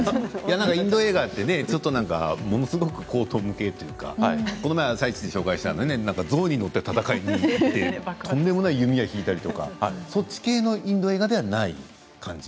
インド映画ってものすごく荒唐無稽というかこの間「あさイチ」で紹介した象に乗って戦いに行ってとんでもない弓矢を引いたりとかそっち系のインド映画ではない感じ？